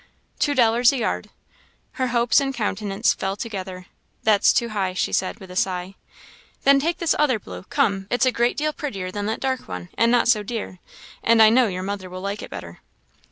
"Two dollars a yard." Her hopes and countenance fell together. "That's too high," she said, with a sigh. "Then take this other blue; come it's a great deal prettier than that dark one, and not so dear; and I know your mother will like it better."